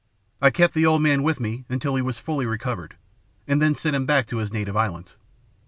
I kept the old man with me until he was fully recovered, and then sent him back to his native island.